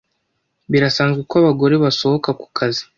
Birasanzwe ko abagore basohoka kukazi.